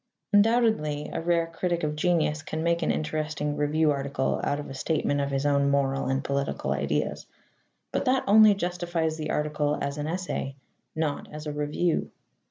Undoubtedly a rare critic of genius can make an interesting review article out of a statement of his own moral and political ideas. But that only justifies the article as an essay, not as a review.